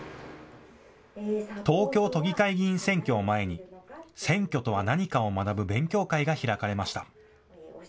東京都議会議員選挙を前に選挙とは何かを学ぶ勉強会が開かれました。